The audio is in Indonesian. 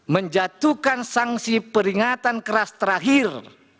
menjatuhkan sanksi peringatan keras terakhir